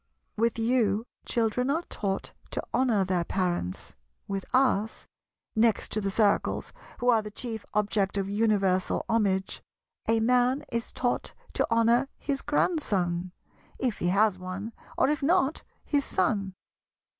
With you, children are taught to honour their parents; with us—next to the Circles, who are the chief object of universal homage—a man is taught to honour his Grandson, if he has one; or, if not, his Son.